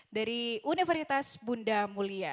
dari universitas bunda mulia